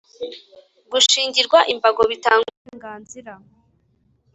Gushingirwa imbago bitanga uburenganzira